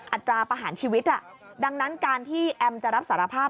ตราประหารชีวิตดังนั้นการที่แอมจะรับสารภาพ